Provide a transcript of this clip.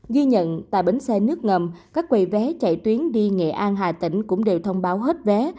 ghi nhận tại bến xe nước ngầm các quầy vé chạy tuyến đi nghệ an hà tĩnh cũng đều thông báo hết vé